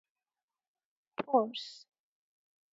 پرس